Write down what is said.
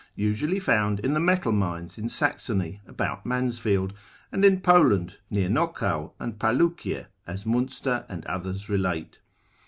usually found in the metal mines in Saxony about Mansfield, and in Poland near Nokow and Pallukie, as Munster and others relate.